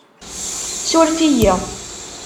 Surf-iyi